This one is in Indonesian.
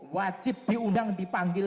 wajib diundang dipanggil